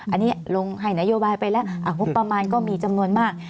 อันนี้ลงให้นโยบายไปแล้วงบประมาณก็มีจำนวนมาก